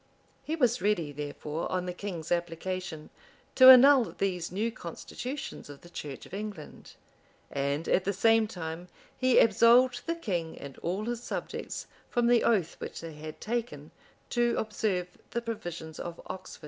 He was ready, therefore, on the king's application, to annul these new constitutions of the church of England.[] And, at the same time, he absolved the king and all his subjects from the oath which they had taken to observe the provisions of Oxford.